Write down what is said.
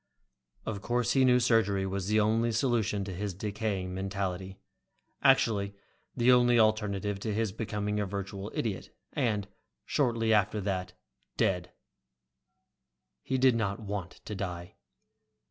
Of course he knew surgery was the only solution to his decaying mentality, actually the only alternative to his becoming a virtual idiot, and, shortly after that, dead. And he did not want to die.